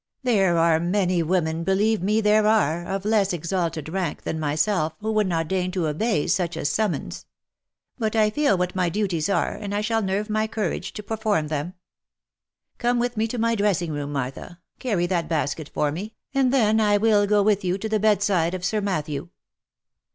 There are many women, believe me there are, of less exalted rank than my self, who would not deign to obey such a summons. But I feel what my duties are, and I shall nerve my courage to perform them. Come with me to my dressing room, Martha, carry that basket for me, and then I will go with you to the bedside of Sir Matthew."